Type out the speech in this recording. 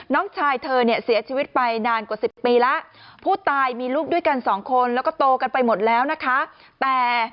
น้องชายเธอเนี่ยเสียชีวิตไปนานกว่า๑๐ปีแล้วผู้ตายมีลูกด้วยกันสองคนแล้วก็โตกันไปหมดแล้วนะคะแต่